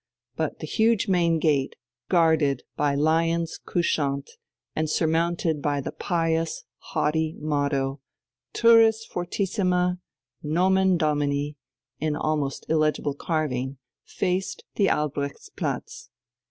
But the huge main gate, guarded by lions couchant, and surmounted by the pious, haughty motto: "Turris fortissima nomen Domini," in almost illegible carving, faced the Albrechtsplatz.